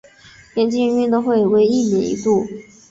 田径运动会为一年一度。